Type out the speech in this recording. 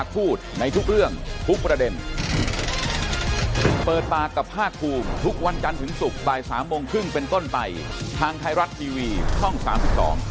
ขอบคุณครับอาจารย์ครับสวัสดีครับ